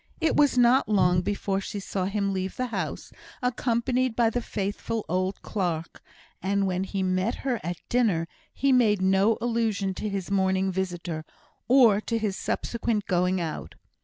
It was not long before she saw him leave the house, accompanied by the faithful old clerk; and when he met her at dinner, he made no allusion to his morning visitor, or to his subsequent going out.